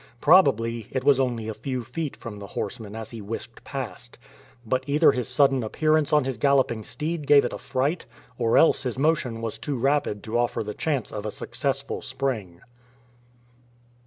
Probably it was only a few feet from the horseman as he whisked past. But either his sudden appearance on his galloping steed gave it a fright, or else his motion was too rapid to offer the chance of a successful spring.